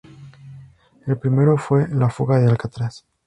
El primero fue la "Fuga de Alcatraz".